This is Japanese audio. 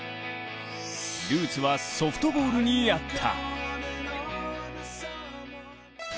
ルーツはソフトボールにあった。